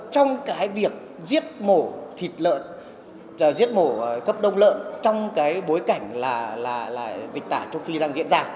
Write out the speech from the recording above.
trong cái việc giết mổ thịt lợn giết mổ cấp đông lợn trong cái bối cảnh là dịch tả châu phi đang diễn ra